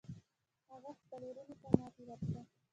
هغه خپلو وروڼو ته ماتې ورکړه.